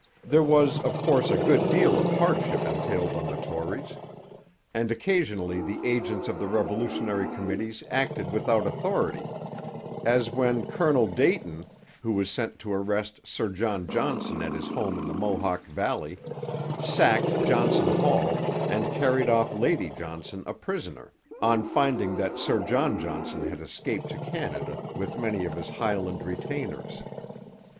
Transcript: There was, of course, a good deal of hardship entailed on the Tories; and occasionally the agents of the revolutionary committees acted without authority, as when Colonel Dayton, who was sent to arrest Sir John Johnson at his home in the Mohawk valley, sacked Johnson Hall and carried off Lady Johnson a prisoner, on finding that Sir John Johnson had escaped to Canada with many of his Highland retainers.